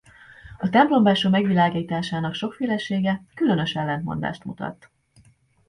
A templombelső megvilágításának sokfélesége különös ellentmondást mutat.